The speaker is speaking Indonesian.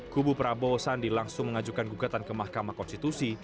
kubu prabowo sandi langsung mengajukan gugatan ke mahkamah konstitusi